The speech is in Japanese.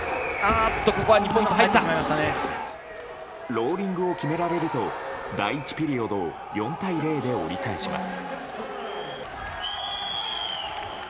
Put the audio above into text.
ローリングを決められると第１ピリオドを４対０で折り返します。